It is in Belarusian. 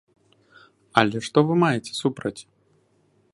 Але што вы маеце супраць?